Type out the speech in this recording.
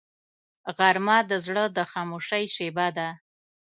غرمه د زړه د خاموشۍ شیبه ده